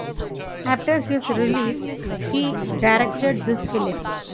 After his release he directed this film.